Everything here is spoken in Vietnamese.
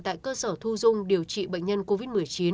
tại cơ sở thu dung điều trị bệnh nhân covid một mươi chín